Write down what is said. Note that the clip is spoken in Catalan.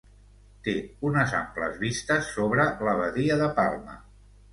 Té unes amples vistes sobre la badia de Palma.